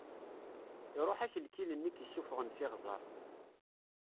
Iṛuḥ-ak lkil-nni i k-issufɣen s iɣzeṛ.